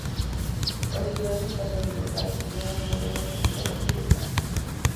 La ciudad estaba administrada siguiendo un modelo de estilo militar.